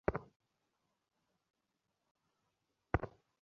Guys, হচ্ছেটা কী?